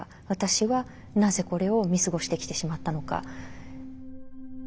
私はなぜこれを見過ごしてきてしまったのか。